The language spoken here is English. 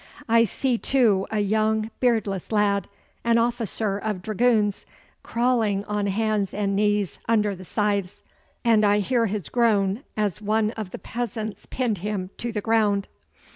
I see, too, a young beardless lad, an officer of dragoons, crawling on hands and knees under the scythes, and I hear his groan as one of the peasants pinned him to the ground.